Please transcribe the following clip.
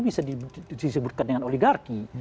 bisa disebutkan dengan oligarki